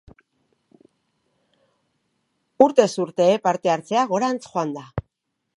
Urtez urte parte-hartzea gorantz joan da.